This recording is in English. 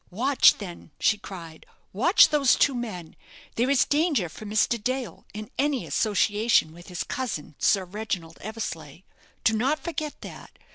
"Watch then," she cried; "watch those two men. There is danger for Mr. Dale in any association with his cousin, Sir Reginald Eversleigh. Do not forget that.